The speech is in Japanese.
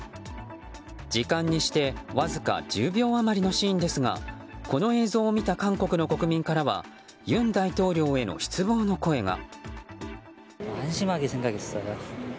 時間にして、わずか１０秒余りのシーンですがこの映像を見た韓国の国民からは尹大統領への失望の声が。